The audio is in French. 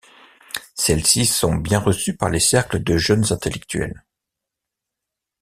Celles-ci sont bien reçues par les cercles de jeunes intellectuels.